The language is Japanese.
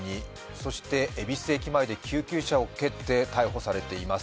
そして恵比寿駅前で救急車を蹴って逮捕されています。